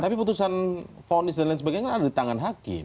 tapi putusan fonis dan lain sebagainya kan ada di tangan hakim